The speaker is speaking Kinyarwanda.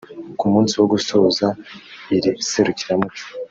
Ku munsi wo gusoza iri serukiramuco